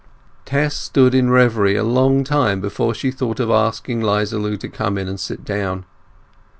Tess stood in reverie a long time before she thought of asking 'Liza Lu to come in and sit down.